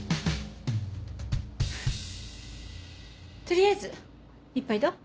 取りあえず１杯どう？